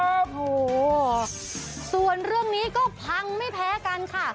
โอ้โหส่วนเรื่องนี้ก็พังไม่แพ้กันค่ะ